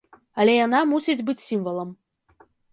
Але яна мусіць быць сімвалам.